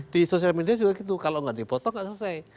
di sosial media juga gitu kalau nggak dipotong nggak selesai